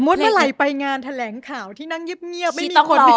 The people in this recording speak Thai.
เมื่อไหร่ไปงานแถลงข่าวที่นั่งเงียบไม่มีคนดู